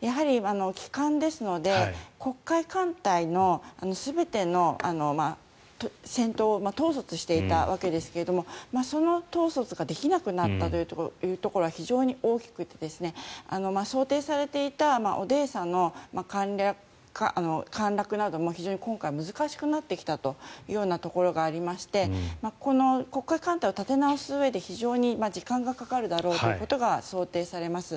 やはり旗艦ですので黒海艦隊の全ての戦闘を統率していたわけですがその統率ができなくなったというところは非常に大きくて、想定されていたオデーサの陥落なども非常に今回は難しくなってきたところもありまして黒海艦隊を立て直すうえで非常に時間がかかるだろうということが想定されています。